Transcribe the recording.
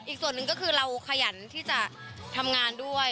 อีกส่วนหนึ่งก็คือเราขยันที่จะทำงานด้วย